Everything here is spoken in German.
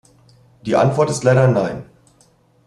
Die Antwort ist leider nein.